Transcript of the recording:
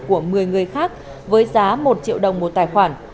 của một mươi người khác với giá một triệu đồng một tài khoản